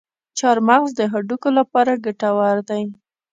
چارمغز د هډوکو لپاره ګټور دی.